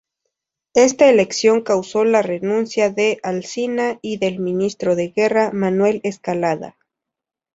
Esta elección causó la renuncia de Alsina y del ministro de guerra, Manuel Escalada.